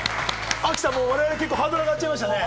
亜希さん、我々ハードル上がっちゃいましたね。